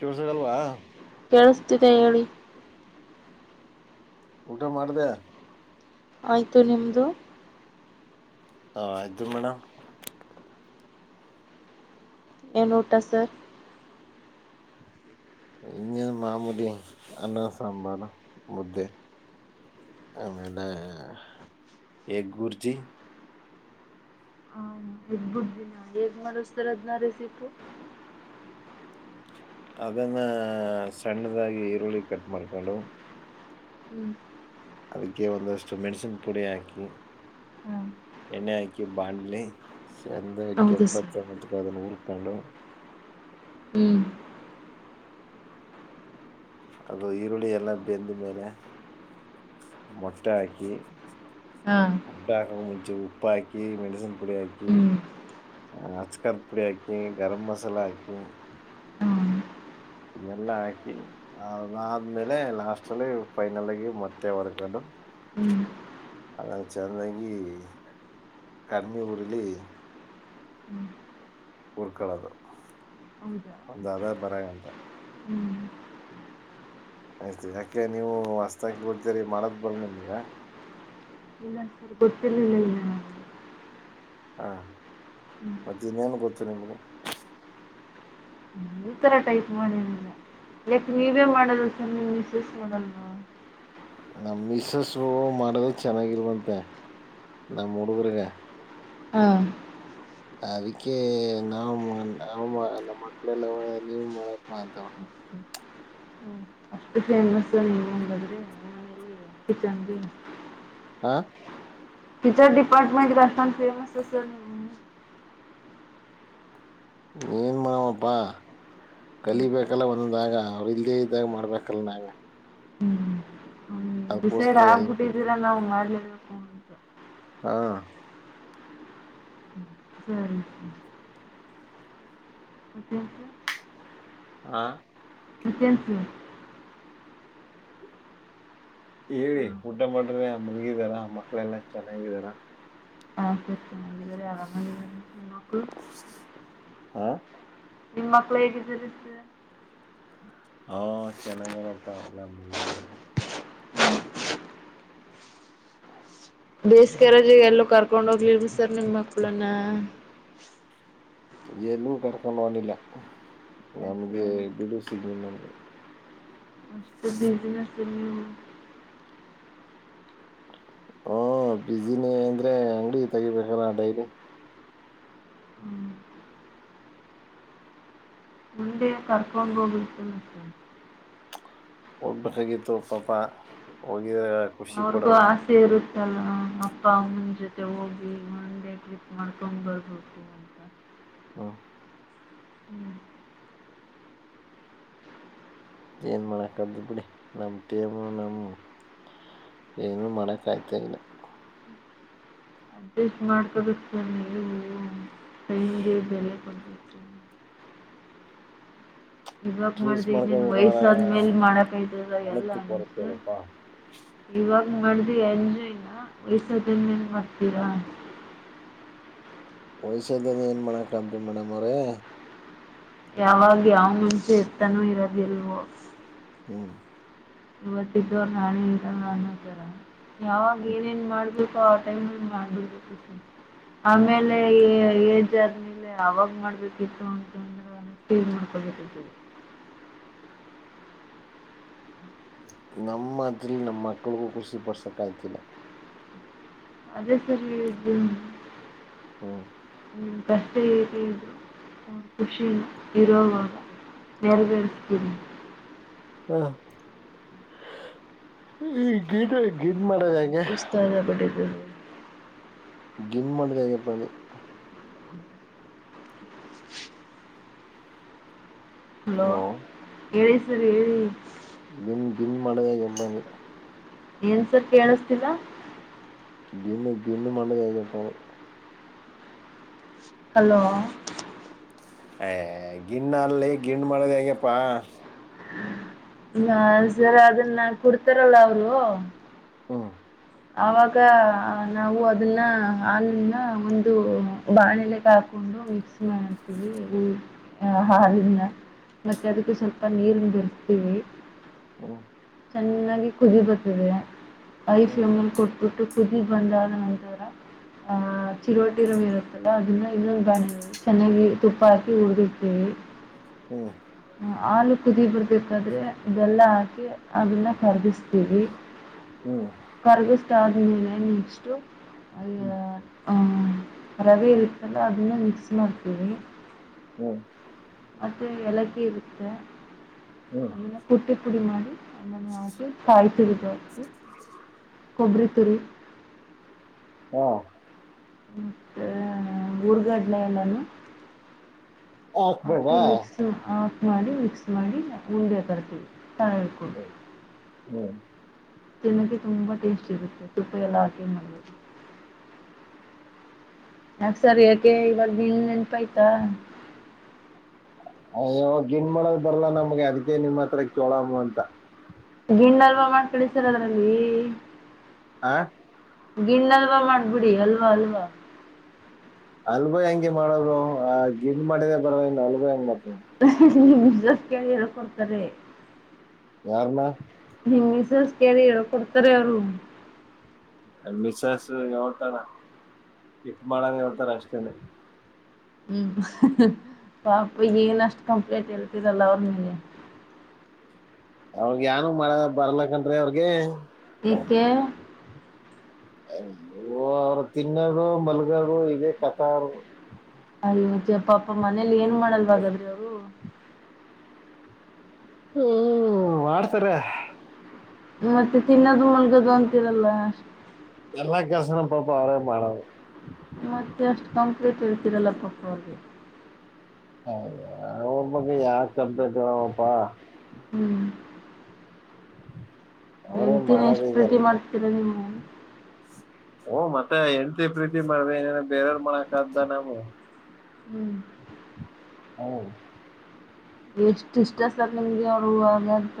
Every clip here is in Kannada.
ಚೋಳಸಗಲ್ವಾ ಕೇಳಿಸ್ತಿದೆ ಹೇಳಿ ಊಟ ಮಾಡ್ದ ಆಯತು ನಿಮದು ಹ ಆಯ್ತು ಮೇಡಮ್ ಏನ್ ಊಟ ಸರ್ ಈ ಮಾಾಮೂಲಿ ಅನ್ನ ಸಂಬಾರ ಮುದ್ದೆ ಆಮೇಲೆ ಎಗ್ ಬುರ್ಜಿ ಹ ಎಗ್ ಬುರ್ಜಿ ಎ ಮರುಸ್ತರ್ನ ರೆ ಸಿಿಪಿ [unintelligible] ಅದನ್ನು ಸಣ್ಣದಾಗಿ ಈರುಳ್ಳಿ ಕಟ್ ಮಾಡ್ಕೊಂಡು ಹ್ಮ್ ಅದಕ್ಕೆ ಒಂದಷ್ಟು ಮೆಣಸಿನ್ ಪುಡಿ ಹಾಕಿ ಎಣ್ಣೆ ಹಾಕಿ ಬಾಾಣಲಿ ಸಂದ ಇ ಕೆಪ್ಪತ್ ಅದನ್ನ ಉರ್ಕೊಂಡು ಹ್ಮ್ ಅದು ಈರುಳ್ಳಿ ಎಲ್ಲ ಬೆಂದ ಮೇಲೆ ಮೊಟ್ಟೆ ಹಾಕಿ ಮೊಟ್ಟೆ ಹಕ್ಕಾಕೆ ಮುಂಚೆ ಉಪ್ಪ ಹಾಕಿ ಮೆಣಸು ಪುಡಿ ಹಾಕಿ ಹ್ಮ್ ಅಕರ ಪುಡಿ ಹಾಕಿಿ ಗರಂ್ ಮಸಾಲಾ ಹಾಕಿ ಇನ್ನಲ್ಲಾ ಹಾಕಿ ಅ್ಮೇಲೆ ಲಾಸ್ಟ ಅಲ್ಲಿ ಫೈನಲ್ಗಿ ಮತ್ತೆ ಹೊರ್ಗದು ಹ್ಮ್ ಅದ ಚೆಂದಾಗಿ ಕಡಿಮೆ ಊರಿಲ್ಲಿ ಹುರ್ಕೊಳ್ಳೋದು ಹೌದಾ ಒಂದು ಅದ ಬರಂತ ಹ್ಮ್ ಆಯ್ತು ಯಾಕೆ ನೀವು ಹೊಸ್ತಾಗಿ ಬಡ್ತರಿ ಮಾಡೋದ್ ಬಲ್ ನಿಮ್ಗ ಇಲ್ಲ ಸರ್ ಗೊತ್ತಿರ್ಲಿಲ್ಲ ಇಲ್ಲ ಹಾ ಮತ್ತ ಇನ್ನೇನು ಗೊತ್ತು ನಿಮಗೆ ನನಗೆ ಈ ತರ ಟೈಪ್ ಮಾಡಿದ ಲಕ್ ನೀವೇ ಮಾಡದೂಸ್ ಮಾಡ ನಮ್ಮ ಮಿಸ್ಸು ಮಾಡೋದು ಚೆನ್ನಾಗಿರ್ಬಂತೆ ನಮ್ಮ್ ಹುಡುಗರ್ಗ ಹಾ ಅದಕ್ಕೆ ನಾವ್ ನಾ ನ ಮಕ್ಳೆಲ್ಲ ನೀವು ಮಾಡಪ್ಪ ಅಂತಾವ ೇಮಸ್ ನೀ ಅದ್ರೆ ಕಿಚನ್ [inaudible] ಹಾ ಚ ಡಡಿಪಾರ್ಟ್ಮೆಂಟ್ ಗತಾನಫೇಮಸ್ ಅ ನೀನು ಮಾಮಪ್ಪಾ ಹ್ಮ್ ಕಲಿಬೇಕಲ್ಲ ಒಂದಂದಾಗ ಅವ್ರು ಇಲ್ಲದೇ ಇದಾಗ ಮಾಡ್ಬೇಕಲ್ಲ ನಾವ ಹ್ಮ್ ಹ್ಮ್ ಡಿಸೈಡ್ ಅದಕ್ಕೋಸ್ಕರ ಎಲ್ಲ ಕಲ್ತ್ರಿ ಆಗ್ಬಿಟ್ಟಿದ್ದೀರಾ ನಾವ್ ಮಾಡ ಹಾ ಹ್ಮ್ ಹ ಹಾ ತ್ಯಂತು ಹೇಳಿ ಸರ್ ಊಟ ಮಾಡ್ರೆ ಆ ಮಲಗಿದಾರ ಮಕ್ಳೆಲ್ಲಾ ಚೆನ್ನಾಗಿದಾರ ಹ ಅ ಹಾ ನಿಮ ಮಕ್ಳು ಹೇಗಿದ್ದ ಹಾ ಚೆನ್ನಂಗಡಪ್ಪಾ ಎಲ್ಲ ಮುಗಿದ್ದಾರೆ ಹ ಬೇಸಿಗೆರಜ ಎಲ್ಲೂ ಕರ್ಕೊಂಡ್ ಹೋಗ್ಲಿರ್ಬ ಸರ್ ನಿಂಗ್ ಮಕ್ಳನ್ನ ಎಏಲ್ಲೂ ಕರ್ಕೊಂಡುವನಿಲ್ಲ ಯಾಕ್ ನಮ್ಗೆ ಸರ್ ಬಿಡುುವ ಸಿಗ್ನಿಲ್ಲ ನಮ್ಗೆ ಬಿಜನೆಸ್ ಇ ಹ ಹ ಬಿಸಿನೇ ಅಂದ್ರೆ ಅಂಗಡಿ ತೆಗಿಬೇಕಲ್ಲ ಡೈಲಿ ಹ್ಮ್ ಮುಂದೆ ಕರ್ಕೊಂಡ ಹೋಗಿರ್ತನೆ ಹೋಗ್ಬೇಕಾಗಿತ್ತು ಪಾಪ ಹೋಗಿದ ಅವ್ರಿಗೂ ಆಸೆ ಇರುತ್ತಲ್ಲ ಅಪ್ಪ ಅಮ್ಮನ ಜೊತೆ ಹೋಗಿ ಮಂದೆ ಮಾಡ್ಕಂಗ ಬರ್ತ ಹಾಂ ಹ್ಮ್ ಏನ್ ಮಾಡಕ್ದ ಬಿಡಿ ನಮ್ ತೇಮ ನಮ್ಮ ಏನು ಮಣಕಯ್ತಾ ಇನ ಮಾಡ್ಕದೇಲೆ ಮ ಬೆಲೆ ಕೊ ಇವಾಗ ಚೂಸ್ ಮಾಡ್ದ ಇನ್ನೇನ್ ಮಾಡ್ಕೋಬೇಕಾರ ವಯಸ್ಸಾದ್ಮೇಲ್ ಮಾಡಕಲ್ಲ ಎಲ್ಲ ಹಣದ್ದು ಕೊರತೆ ಇನ್ಸ ಅಲ್ಲಪ್ಪಾ ಇವಾಗ ಮಾಡಡ್ದು ಎಂಜನ ವಯ್ಸ ಎಂಜನ್ ಮಾಡ್ತೀರಾ ವಯಸ್ಸ್ಯದನ ಏನ್ ಮಾಡಕಂತು ಮೇಡಮ್ ಅವ್ರೆ ಯಾವಾಗ ಯಾವ ಮುಂಚೆ ಎತ್ತನೂ ಇರೋದಿಲ್ವೋ ಹ್ಮ್ ಇವತ್ತಿದ್ದವರು ನಾಣೆ ಇರ ಅನ್ನೋತರ ಯಾವಾಗ ಏನೇನ್ ಮಾಡ್ಬೇಕು ಅವ್ರ ಟೈಮ ಮಾಡ ಆಮೇಲೆ ಜರ್ನಿಲಿ ಯಾಗ್ ಮಾಡ್ಬೇಕಿತ್ತು ಅಂತಂದ ಹ ಸೇರ್ ಮಾಡ್ಕೋಬೇಕರಿ ನಮ್ಮ್ ಮಾತ್ರಲ್ಲಿ ನಮ ಮಕ್ಳಗೂ ಖುಷಿ ಪಡ್ಸಕ್ ಆಯ್ತಿಲ್ಲ ಅದೇ ಸರ್ ಇ ಹ್ಮ ಹ್ಮ್ ಕಷ್ಟದು ಖುಷ ಇರೋಗ ನೆರವೇರಿಸತಿ ಹಾ ಈ ಗಿಡ್ ಗಿಡ್ ಮಾಡದ ಹಂಗೆ ಸ ಕೊಟ್ಟಿದ್ದ ಗಿಂಗ್ ಮಾಡಟದಗಪ್ಪದು ಹಲೋ ಹೇಳಿ ಸರ್ ಹೇಳಿ ಗಿನ್ ಗಿನ್ ಮಾಡದ ಎಮ್ಮ ಏನ್ಸರ್ ಕೇಳಿಸತಿಲ್ಲ [unintelligible] ಗಿನ್ನುು ಮಂಡದಏನುಂಪೆ ಹಲೋ ಅ ಗಿಂಡ ಅಲ್ಲಿ ಗಿಂಡ್ ಮಾಡೋದ್ ಹೇಗಪ್ಪಾ ನ ಸರ ಅದನ್ನ ಕೊಡ್ತಾರಲ್ಲ ಅವರು ಹಾ ಆಗ ನಾವು ಅದನ್ನ ಹಾಲೂನ್ನ ಒಂದು ಬಾಣೆಲೆ ಹಾಕೊಂಡು ಮಿಕ್ಸ್ ಸ್ನವಿ ಹಾರ ಮತ್ತೆ ಅದಕ್ಕ ಸ್ವಲ್ಪ ನೀರ್ ಬಿರೆತೀವಿ ಹಾ ಚೆನ್ನಾಗಿ ಕುದಿ ಬರ್ಟ್ಟಿದೆ ಹ್ಮ್ ಲಲ್ಲಿ ಕೊಟ್ಬಿಟ್ಟು ಕುದಿ ಬಂದಾದ ನಂತರ ಆಹ ಚಿರುರುವಟಿರುವ ಇರುತ್ತಲ್ಲ ಅದನ್ನ ಇನ್ನೊಂದು ಗಾಣೆ ಚೆನ್ನಾಗಿ ತುಪ್ಪ ಹಾಕಿ ಉಡ್ದಿವಿ ಹ್ಮ್ ಹಾಲು ಕುದಿಬರಬೇಕಾದ್ರೆ ಇದೆಲ್ಲ ಹಾಕಿ ಅದನ್ನ ಖರದಿಸ್ತೀವಿ ಹ್ಮ್ ಕರಗಷ್ಟ್ಟಾರ ಮೇಲೆ ನಕ್ಸ್ ಹ್ಮ್ ಅ ರವೆ ಇರುತ್ತಲ್ಲ ಅದನ್ನ ಮಿಕ್ಸ್ ಮಾಡ್ತೀವಿ ಹ್ಮ್ ಮತ್ತು ಲಕ್ಕಿ ಇರುತ್ತೆ ಹ್ಮ್ ಅದನ್ನು ಪುಟ್ಟಿ ಪುಡಿ ಮಾಡಿ ಮನ ಆ ಕಾಯಿ ತುರಿ ಕೊಬ್ಬರಿ ತುರಿ ಹಾ ಮತ್ತ ಊರ್ಗಡ್ನೆ ಎಲ್ಲಾನು ಆಟ ಹಾಕ್ಬೇಕಾ ಚೂ ಆಫ್ ಮಾಡಿ ಮಿಕ್ಸ್ ಮಾಡಿ ಉಂಡೆ ಕರ್ತೀವಿ ತಳ್ಕೊು ಹ ಹ್ಮ ಚೆನ್ನಕ್ಕೆ ತುಂಬಾ ಟೇಸ್ಟ್ ಇರುತ್ತೆ ತುಪ್ಪ ಎಲ್ಲಾ ಹಾಕಿ ಮಾಡ್ದು ಅಕ್ಸರ್ ಯಾಕೆ ಇವಾಗ ನಿನ್ ನೆನ್ಪಾಯ್ತಾ ಅಾವಾಗ ಗಿನ್ ಮೊಳಗ್ ಬರ್ಲ್ಲಾ ನಮಗೆ ಅದಕ್ಕೆ ನಿಮ್ಮ ಹತ್ರ ಕೋಳಾಮ ಅಂತ ಗಿಂಡ ಹಲ್ವ ಮಾಡ್ ಕಡಿಸಿರಲ್ಲ ನಂಗೆ ಆ ಗಿಂಡ್ಲ್ವಾ ಮಾಡ್ಬಿಡಿ ಅಲ್ವಾ ಅಲ್ವಾ ಅಲ್ಬ ಹೆಂಗೆ ಮಾಡೋರು ಆ ಗಿಡ್ ಮಾಡಿದ ಬರ ಇನ್ ಅಲ್ ಹೆಂಗ್ ಮಾಡ ಕ್ಯಯರ್ ಕೊಡ್ತಾರೆ ಯಾರಮ್ಮ ಹಸಸ್ ಕ ಹೇಳ ಕೊಡ್ತಾರೆ ಅವ್ರು ಮಿಸ್ಸ್ ಹೇಳ್ತಾರ ಕಿಕ್ ಮಾಡಾನ ಹೇಳ್ತಾರ ಅಷ್ಟೇನೆ ಹ್ಮ್ ಪಾಪ ಈಗ ಏನಷ್ಟ್ ಕಂಪ್ಲೇಂಟ್ ಇಳ್ತಿದಲ್ಲ ಅವ್ರ ಮಗೆ ಅವಗ ನು ಮಾಡ ಬರ್ಲಕನ್ ಅವ್ರಗೆ ೆ [unintelligible] ಅವರು ತಿನ್ನೋದು ಮಲ್ಗೋರು ಇದೆ ಕಥ ಅವರು ಅದ ತ ಅಪ್ಪಪ್ಪ ಮನೇಲಿ ಏನ್ ಮಾಡಲ್ವಾಗಾದ್ರ ಹ ಹ್ಮ್ ಮಾಡಡ್ತಾರ ಮತ್ತೆ ತಿನ್ನೋದು ಮುಳಗದು ಅಂತಿರಲ್ಲ ಎಲ್ಲ ಕೆಸನ ಪಾಪ ಅವರೇ ಮಾಡಡೆ ಮತ್ತೆ ಅಷ್ಟು ಕಾಂಕ್ರೀಟ್ ಇರ್ತಿರಲ್ಲ [unintelligible] ಅಯ್ಯೋ [unintelligible] ಹ್ಮ್ ಅವರೇ ಹೆಂಡ್ತಿನ್ ಮಾಡೋದು ಎಷ್ಟು ಇದೆಲ್ಲ ಪ್ರೀತಿ ಮಾಡ್ತೀರಾ ನೀವು. ಹು ಮತ್ತೆ ಹೆಂಡ್ತಿ ಪ್ರೀತಿ ಮಾಡ್ದೇ ಏನ್ ಬೇರೆಯವ್ರ್ ಮಾಡಕ್ ಆದ್ದ ನಮು. ಹ್ಮ್ ಹ್ಮ ಎಷ್ಟು ಇಷ್ಟ ಸರ್ ನಿಮ್ಗೆ ಅವರು ವಾಗಂತ.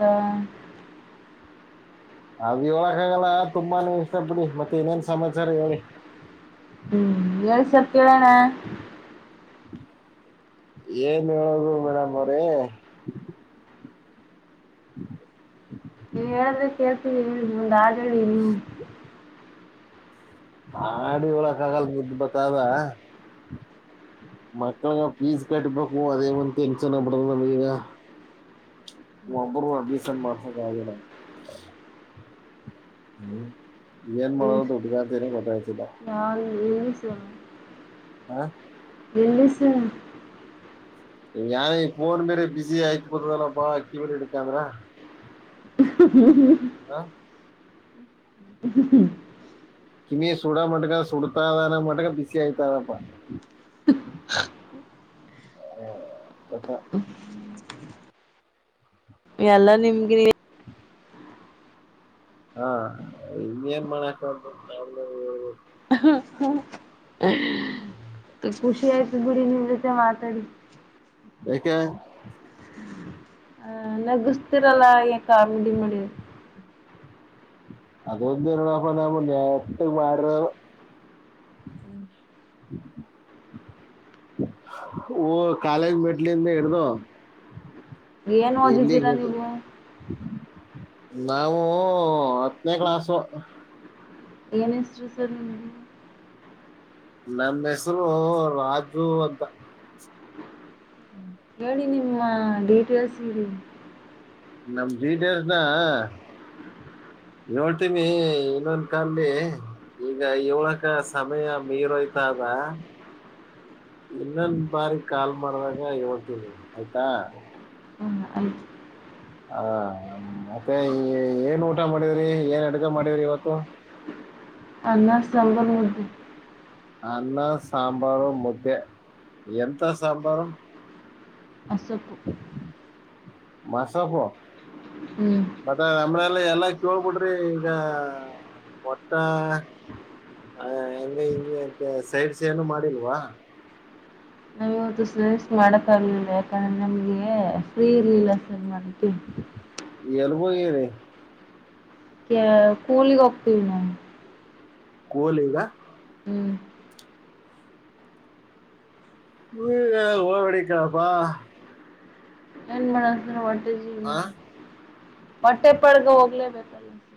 ಹಂಗ್ ಹೇಳಕ್ಕಾಗಲ್ಲ ತುಂಬಾನೆ ಇಷ್ಟ ಬಿಡಿ ಮತ್ತೆ ಇನೇನ್ ಸಮಾಚಾರ ಹೇಳಿ. ಹ್ಮ್ ಹೇಳ್ ಸರ್ ಕೇಳಣ. ಏನ್ ಹೇಳೋದು ಮೇಡಮ್ ಅವ್ರೆ. ಹ ನೀವ್ ಹೇಳ್ದೆ ಕೇಳ್ತೀವಿ ಹೇಳಿ [unintelligible] ಹ ಆಡಿ ಯೋಳಕ್ಕ ಆಗಲ್ [unintelligible] ಬತಾವ. ಮಕ್ಳಗ ಫೀಸ್ ಕಟ್ಬೇಕು ಅದೇ ಒಂದ್ ಟೆನ್ಷನ್ ಆಗ್ಬುಟ್ಟದೆ ನಮ್ಗೀಗ. ಒಬ್ಬರ್ಗೂ ಅಡ್ಮಿಷನ್ ಮಾಡ್ಸಕ್ ಆಗ್ಲಿಲ್ಲ. ಹ್ಮ್ ಇನ್ನೇನ್ ಮಾಡೋದು ಎಷ್ಟು ದುಡ್ಗಾತನ ಗೊತ್ತಾಯ್ತಿಲ್ಲ. [unintelligible] ಹಾ ಎಲ್ಲಿ ಸರ್? ನ್ಯ ಏ ಈ ಫೋನ್ ಮೇರೆ ಬಿಸಿ ಆಯ್ತ್ ಬತದಲ್ಲ [unintelligible] ಅಂದ್ರ. ಹ್ಮ ಹಾ ಹ್ಮ್ಮ ಕಿಮಿಗೆ ಸುಡ ಮಟ್ಕ ಸುಡ್ತಾರಾನ ಮಟ್ಕ ಬಿಸಿ ಆಯತಾರಪ್ಪ. ಹ ಅತ್ತ ಎಲ್ಲ ನಿಮ್ಗೆ [inaudible] ಹಾ ಇನ್ನೇನ್ ಮಾಡಾಕು [unintelligible] ಖುಷಿ ಆಯ್ತು ಬಿಡಿ ನಿಮ್ ಜೊತೆ ಮಾತಾಡಿ. ಯಾಕೆ? ನಗುಸ್ತಿರಲ್ಲ ಏನ್ ಕಾಮಿಡಿ ಮಾಡಿ. ಅದೊಂದೆ ನೋಡಪ್ಪ ನಾವ್ ನೆಟ್ಟಗ್ ಮಾಡ್ರವು. ಹ ಓ ಕಾಲೇಜ್ ಮೆಟ್ಲಿಂದ ಹಿಡ್ದು ಏನ್ ಓದಿದ್ದೀರಾ ಎಲ್ಲಿಂಗೋಟ್ಟ ನೀವು ನಾವು ಹತ್ತನೇ ಕ್ಲಾಸ್ ಏನ ಹೆಸ್ರು ಸರ್ ನಿಮ್ದು? ನನ್ ಹೆಸರು ರಾಜು ಅಂತ. ಹೇಳಿ ನಿಮ್ಮ ಡೀಟೇಲ್ಸ್ ಇ ನಮ್ ಡೀಟೇಲ್ಸನ [unintelligible] ಈಗ ಏಳ್ಕ ಸಮಯ ಮೀರೋಯ್ತಾದ. ಇನ್ನೊಂದ ಬಾರಿ ಕಾಲ್ ಮಾಡಿದಾಗ ಹೇಳ್ತೀನಿ ಆಯ್ತಾ ಹ ಅ [inaudible] ಹ ಮತ್ತೆ ಏನ್ ಊಟ ಮಾಡವ್ರಿ ಏನ್ ಅಡ್ಗ ಮಾಡವ್ರಿ ಇವತ್ತು [unintelligible] ಅನ್ನ ಸಾಂಬಾರ್ ಮುದ್ದೆ ಅನ್ನ ಸಾಂಬಾರು ಮುದ್ದೆ ಎಂತ ಸಾಂಬಾರು ಮಸ್ಸೊಪ್ಪು ಮಸ್ಸೊಪ್ಪು ಹ್ಮ್ [unintelligible] ಮತ್ತ ಆಮೇಲೆ ಎಲ್ಲ ಕೇಳ್ಬಿಡ್ರಿ ಈಗ ಹೊಟ್ಟ [unintelligible] ಹ ಹಂಗಗೆ ಹಿಂಗೆ ಸೈಡ್ ಸ ಏನು ಮಾಡಿಲ್ವಾ [unintelligible] ಇವತ್ತು ಸ್ಸ್ ಮಾಡಕ್ಕಾಗಲಿಲ್ಲ ಯಾಕಂದ್ರೆ ನಮಗೆ ಫ್ರೀ ಇರ್ಲಿಲ್ಲ ಸರ್ ಮಾಡ್ತೀವಿ [unintelligible] ಎಲ್ಲಿ ಹೋಗಿರಿ [unintelligible] ಕೂಲಿಗೆ ಹೋಗ್ತೀವಿ ನಾವು [unintelligible] ಕೂಲಿಗ [inaudible] ಹ್ಮ್ [unintelligible] ಹ್ಮ ಓವೆಡಿಕಪ್ಪಾ [unintelligible] ನನ್ [unintelligible] ಹ್ಮ [inaudible] ಹಾ [unintelligible] ಬಟ್ಟೆಪರ್ಗ ಹೋಗ್ಲೇಬೇಕಲ್ಲ [unintelligible]